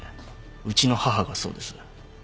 うちの母がそうです。